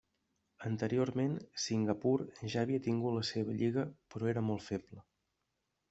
Anteriorment, Singapur ja havia tingut la seva lliga però era molt feble.